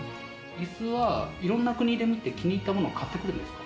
いすはいろんな国で見て気に入ったのを買ってくるんですか？